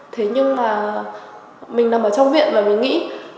thế nhưng mà mình nằm ở trong viện và mới nghĩ